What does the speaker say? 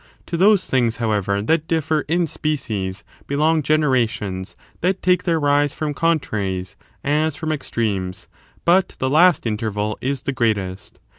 To those things, however, that differ in species belong generations that take their rise from contraries as from extremes, but the last interval is the greatest.